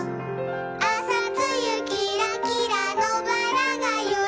「あさつゆきらきらのばらがゆれるよ」